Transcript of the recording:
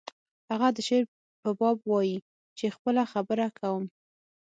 هغه د شعر په باب وایی چې خپله خبره کوم